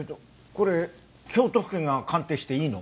これ京都府警が鑑定していいの？